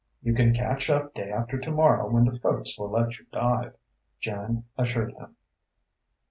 "You can catch up day after tomorrow when the folks will let you dive," Jan assured him.